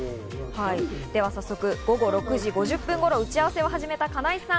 では早速、午後６時５０分頃、打ち合わせを始めた金井さん。